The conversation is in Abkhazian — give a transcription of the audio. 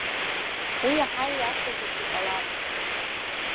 Уи иаҳа ииашазаргьы ҟалап.